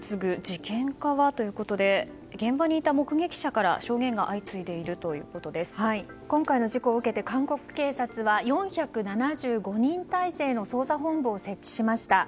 事件化はということで現場にいた目撃者から証言が今回の事故を受けて韓国警察は４７５人態勢の捜査本部を設置しました。